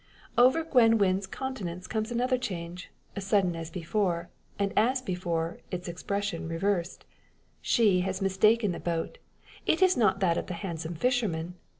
Over Gwen Wynn's countenance comes another change, sudden as before, and as before, its expression reversed. She has mistaken the boat; it is not that of the handsome fisherman!